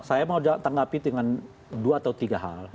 saya mau tanggapi dengan dua atau tiga hal